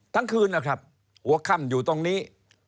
ทั้งคืนนะครับหัวค่ำอยู่ตรงนี้